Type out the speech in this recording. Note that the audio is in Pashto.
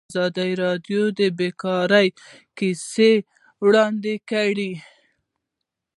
ازادي راډیو د بیکاري کیسې وړاندې کړي.